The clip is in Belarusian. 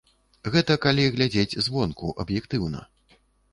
Гэта калі глядзець звонку, аб'ектыўна.